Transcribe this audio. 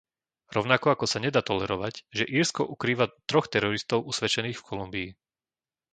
Rovnako ako sa nedá tolerovať, že Írsko ukrýva troch teroristov usvedčených v Kolumbii.